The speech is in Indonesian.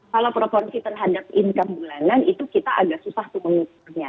kalau proporsi terhadap income bulanan itu kita agak susah tuh mengukurnya